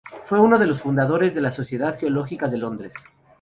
Fue uno de los fundadores de la Sociedad Geológica de Londres.